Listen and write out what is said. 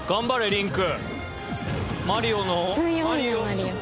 リンク。